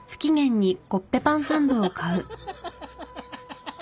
ハハハハハ！